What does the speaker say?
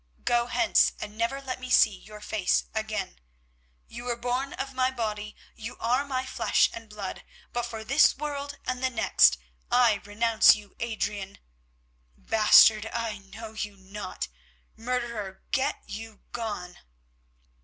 "Go hence and never let me see your face again. You were born of my body, you are my flesh and blood, but for this world and the next I renounce you, Adrian. Bastard, I know you not. Murderer, get you gone."